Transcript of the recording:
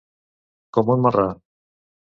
Com un marrà.